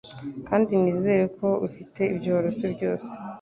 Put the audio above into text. Kandi nizere ko ufite ibyo warose byose